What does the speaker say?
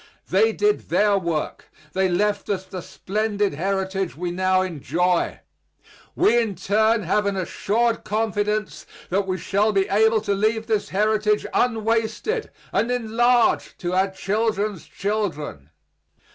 They did their work; they left us the splendid heritage we now enjoy. We in our turn have an assured confidence that we shall be able to leave this heritage unwasted and enlarged to our children's children.